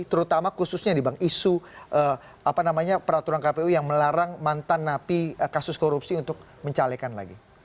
terutama khususnya di bang isu peraturan kpu yang melarang mantan napi kasus korupsi untuk mencalekan lagi